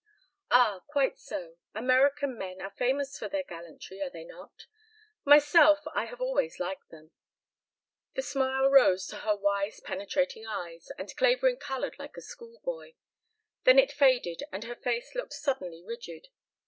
"Ah! Quite so. American men are famous for their gallantry, are they not? Myself, I have always liked them." The smile rose to her wise penetrating eyes, and Clavering colored like a schoolboy. Then it faded and her face looked suddenly rigid.